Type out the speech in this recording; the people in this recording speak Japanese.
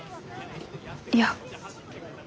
いや。